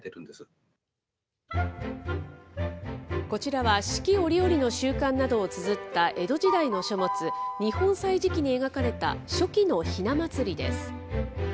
こちらは四季折々の習慣などをつづった江戸時代の書物、日本歳時記に描かれた初期のひな祭りです。